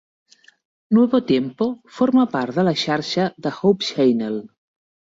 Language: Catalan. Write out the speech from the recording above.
Nuevo Tiempo forma part de la xarxa de Hope Channel.